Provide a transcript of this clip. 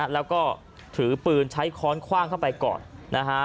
แล้วก็ถือปืนใช้ค้อนคว่างเข้าไปก่อนนะฮะ